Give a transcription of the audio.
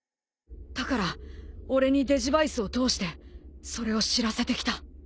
だから俺にデジヴァイスを通してそれを知らせてきた。